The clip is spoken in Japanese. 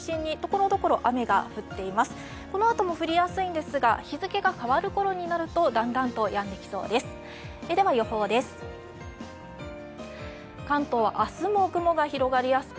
このあとも降りやすいんですが、日付が変わる頃になるとだんだんとやんできそうです。